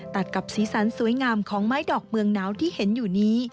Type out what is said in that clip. ตัดกับสีสันสวยงามของไม้ดอกเมืองหนาวที่เห็นอยู่นี้